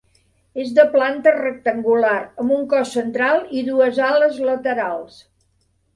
És de planta rectangular amb un cos central i dues ales laterals.